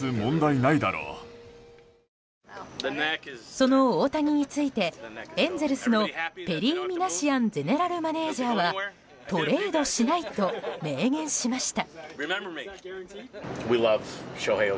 その大谷についてエンゼルスのペリー・ミナシアンゼネラルマネジャーはトレードしないと明言しました。